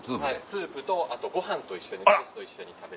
スープとあとご飯と一緒にライスと一緒に食べて。